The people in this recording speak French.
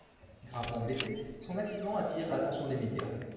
Gravement blessé, son accident attire l'attention des médias.